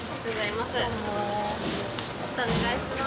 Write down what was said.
またお願いします。